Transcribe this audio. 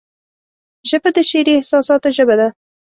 ژبه د شعري احساساتو ژبه ده